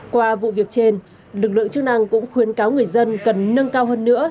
qua vụ việc trên lực lượng chức năng cũng khuyến cáo người dân cần nâng cao hơn nữa